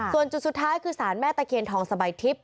ส่วนจุดสุดท้ายคือศาลแม่ตะเคนทองสมัยทิศ